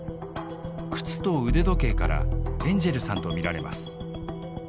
靴と腕時計からエンジェルさんと見られます。